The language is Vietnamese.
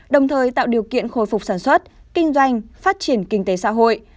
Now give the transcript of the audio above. đồng thời tạo điều kiện khôi phục sản xuất kinh doanh phát triển kinh tế xã hội